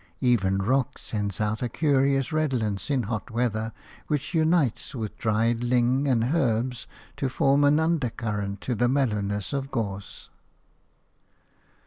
Even rock sends out a curious redolence in hot weather which unites with dried ling and herbs to form an undercurrent to the mellowness of gorse.